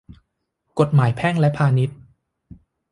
กฎหมายแพ่งและพาณิชย์